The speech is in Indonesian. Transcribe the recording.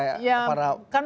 ya kan masyarakat